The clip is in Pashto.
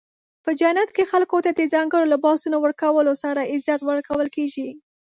په جنت کې خلکو ته د ځانګړو لباسونو ورکولو سره عزت ورکول کیږي.